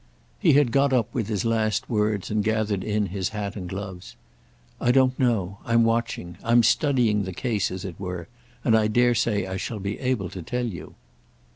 He had got up with his last words and gathered in his hat and gloves. "I don't know; I'm watching. I'm studying the case, as it were—and I dare say I shall be able to tell you."